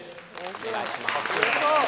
お願いします。